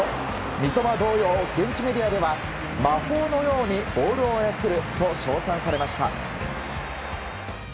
三笘同様、現地メディアでは魔法のようにボールを操ると称賛されました。